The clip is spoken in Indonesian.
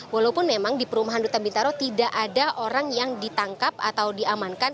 walaupun memang di perumahan duta bintaro tidak ada orang yang ditangkap atau diamankan